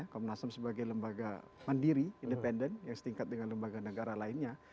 komnas ham sebagai lembaga mandiri independen yang setingkat dengan lembaga negara lainnya